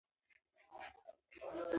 اکبر زمینداوری په زمینداور کښي اوسېدﺉ.